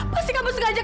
pasti kamu sengaja kan